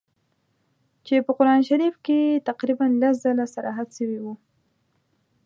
چي په قرآن شریف کي یې تقریباً لس ځله صراحت سوی وي.